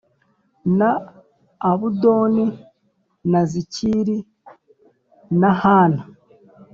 Na abudoni na zikiri na han